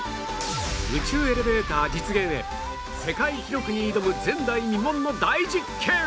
宇宙エレベーター実現へ世界記録に挑む前代未聞の大実験！